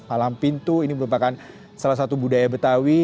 alam pintu ini merupakan salah satu budaya betawi